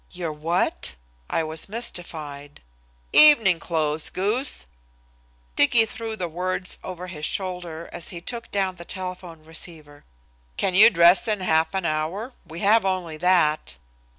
"Your what?" I was mystified. "Evening clothes, goose." Dicky threw the words over his shoulder as he took down the telephone receiver. "Can you dress in half an hour? We have only that."